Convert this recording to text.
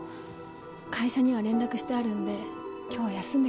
会社には連絡してあるんで今日は休んでください。